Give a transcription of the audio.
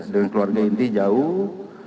dengan keluarga ini jauh